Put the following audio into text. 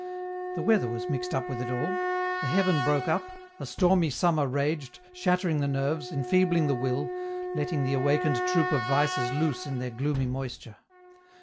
The weather was mixed up with it all ; the heaven broke up, a stormy summer raged, shattering the nerves, enfeebling the will, letting the awakened troop of vices loose in their gloomy moisture.